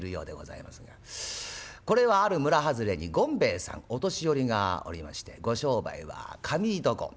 これはある村外れに権兵衛さんお年寄りがおりましてご商売は髪床。